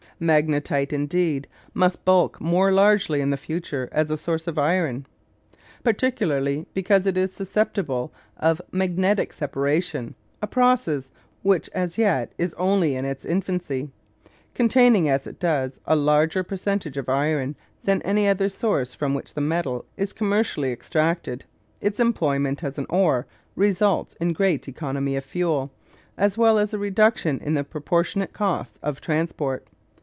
Magnetite, indeed, must bulk more largely in the future as a source of iron, particularly because it is susceptible of magnetic separation, a process which as yet is only in its infancy. Containing, as it does, a larger percentage of iron than any other source from which the metal is commercially extracted, its employment as an ore results in great economy of fuel, as well as a reduction in the proportionate costs of transport.